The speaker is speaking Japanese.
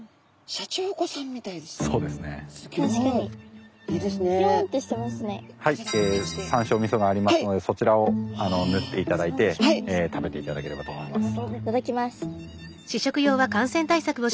山椒みそがありますのでそちらをぬっていただいて食べていただければと思います。